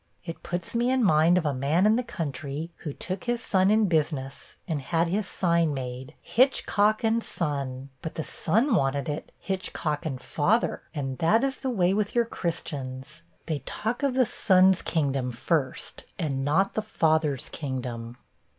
It puts me in mind of a man in the country, who took his son in business, and had his sign made, "Hitchcock & Son;" but the son wanted it "Hitchcock & Father" and that is the way with your Christians. They talk of the Son's kingdom first, and not the Father's kingdom.'